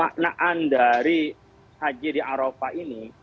maknaan dari haji di arafah ini